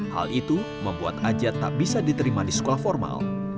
hal itu membuat ajat tak bisa diterima di sekolah formal